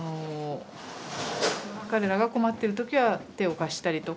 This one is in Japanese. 彼らが困ってる時は手を貸したりとか。